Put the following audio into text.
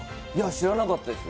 知らなかったです。